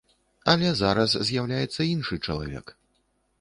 Але зараз з'яўляецца іншы чалавек.